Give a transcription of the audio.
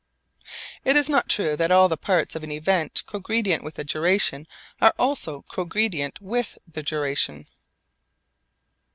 It is not true that all the parts of an event cogredient with a duration are also cogredient with the duration.